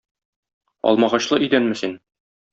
Алмагачлы өйдәнме син?